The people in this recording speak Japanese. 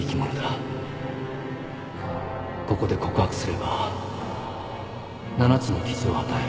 ここで告白すれば７つの傷を与え